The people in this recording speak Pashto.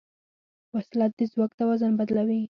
وسله د ځواک توازن بدلوي